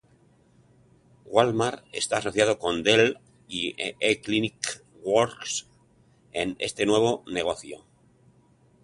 Walmart está asociando con Dell y eClinicalWorks.c en este nuevo negocio.